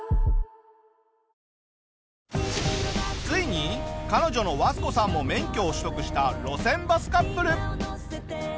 ついに彼女のワスコさんも免許を取得した路線バスカップル。